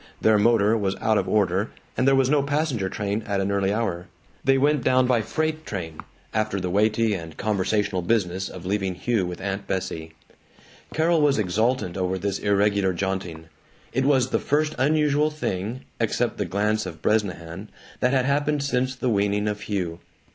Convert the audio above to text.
Their motor was out of order, and there was no passenger train at an early hour. They went down by freight train, after the weighty and conversational business of leaving Hugh with Aunt Bessie. Carol was exultant over this irregular jaunting. It was the first unusual thing, except the glance of Bresnahan, that had happened since the weaning of Hugh.